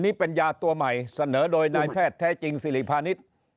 นี่เป็นยาตัวใหม่เสนอโดยนายแพทย์แท้จริงสิริพาณิชย์